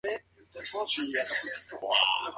Hasta la fecha, el álbum ha alcanzado el doble platino.